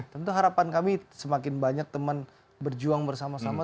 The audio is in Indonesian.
tentu harapan kami semakin banyak teman berjuang bersama sama